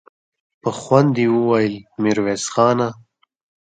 په خوند يې وويل: ميرويس خانه!